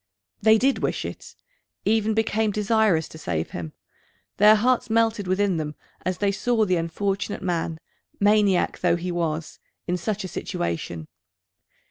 They did wish it, even became desirous to save him. Their hearts melted within them as they saw the unfortunate man, maniac though he was, in such a situation.